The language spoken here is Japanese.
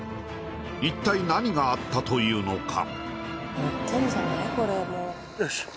一体何があったというのか？